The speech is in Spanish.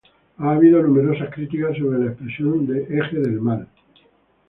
Ha habido numerosas críticas sobre la expresión de "Eje del mal".